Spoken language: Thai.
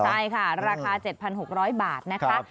ใช่ค่ะราคา๗๖๐๐บาทนะคะ